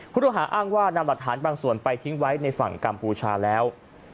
ผู้ต้องหาอ้างว่านำหลักฐานบางส่วนไปทิ้งไว้ในฝั่งกัมพูชาแล้ว